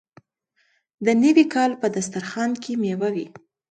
د نوي کال په دسترخان کې میوه وي.